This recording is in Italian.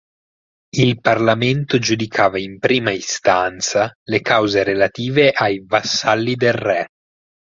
Il parlamento giudicava in prima istanza le cause relative ai vassalli del re.